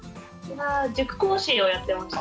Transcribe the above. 塾講師をやってました。